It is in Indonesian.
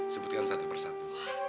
sebutkan satu persatu